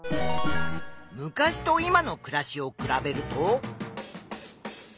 昔と今の暮らしを比べると。